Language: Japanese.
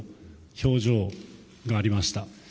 表情がありました。